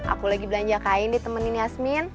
aku lagi belanja kain ditemenin yasmin